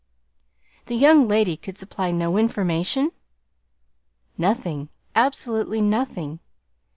"The young lady could supply no information?" "Nothing, absolutely nothing.